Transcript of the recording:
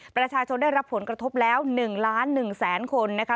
ประชาชนได้รับผลกระทบแล้ว๑๑๐๐๐๐๐คนนะคะ